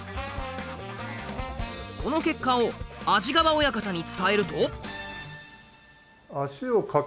この結果を安治川親方に伝えると。